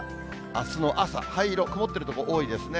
あすの朝、灰色、曇っている所多いですね。